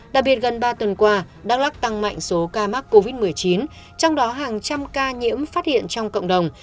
đặc biệt gần ba tuần qua đắk lắc tăng mạnh số ca mắc covid một mươi chín trong đó hàng trăm ca nhiễm phát hiện trong cộng đồng